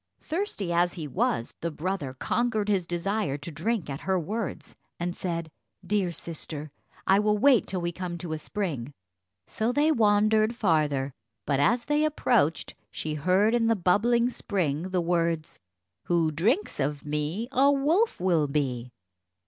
Thirsty as he was, the brother conquered his desire to drink at her words, and said, "Dear sister, I will wait till we come to a spring." So they wandered farther, but as they approached, she heard in the bubbling spring the words "Who drinks of me, a wolf will be."